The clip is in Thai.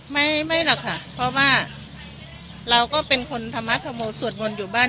ไม่ไม่หรอกค่ะเพราะว่าเราก็เป็นคนธรรมธรโมสวดมนต์อยู่บ้าน